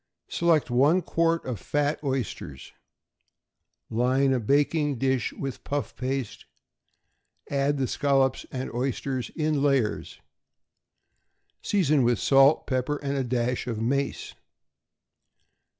Select one quart of fat oysters; line a baking dish with puff paste; add the scallops and oysters in layers; season with salt, pepper, and a dash of mace.